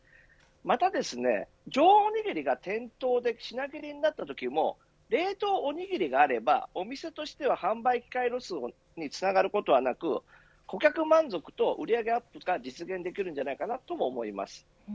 また常温のおにぎりが店頭で品切れになったときも冷凍おにぎりがあればお店としては販売機会ロスにつながることはなく顧客満足と売り上げアップが実現できるんじゃないかなとも思います。